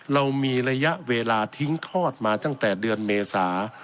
เรามีระยะเวลาทิ้งทอดมาตั้งแต่เดือนเมษา